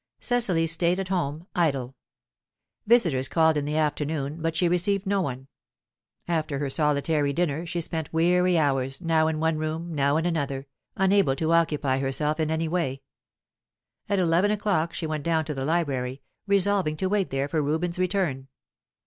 Cecily stayed at home, idle. Visitors called in the afternoon, but she received no one. After her solitary dinner, she spent weary hours, now in one room, now in another, unable to occupy herself in any way. At eleven o'clock she went down to the library, resolving to wait there for Reuben's return.